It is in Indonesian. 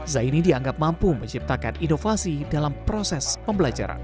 zaini dianggap mampu menciptakan inovasi dalam proses pembelajaran